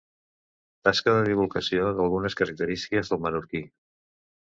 Tasca de divulgació d'algunes característiques del menorquí.